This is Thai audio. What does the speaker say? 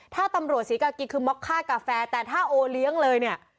ถ้าตำรวจศรีกากีคือม็อกค่ากาแฟแต่ถ้าโอเลี้ยงเลยเนี่ย